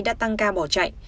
đã tăng ca bỏ chạy